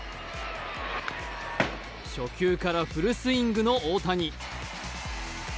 初球からフルスイングの大谷。